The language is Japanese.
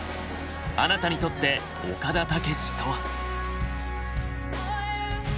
あなたにとって岡田武史とは？